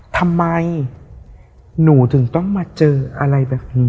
ทำไมหนูถึงต้องมาเจออะไรแบบนี้